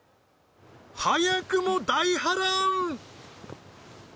早くも大波乱！